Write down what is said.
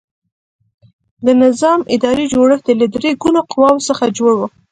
د نظام اداري جوړښت یې له درې ګونو قواوو څخه جوړ و.